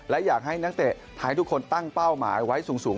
และอยากให้นักเตะไทยทุกคนตั้งเป้าหมายไว้สูง